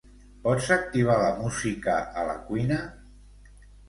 Pots activar la música a la cuina?